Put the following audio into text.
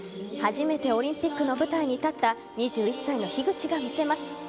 初めてオリンピックの舞台に立った２１歳の樋口が見せます。